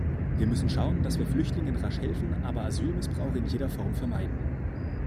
Wir müssen schauen, dass wir Flüchtlingen rasch helfen, aber Asylmissbrauch in jeder Form vermeiden.